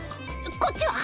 こっちは？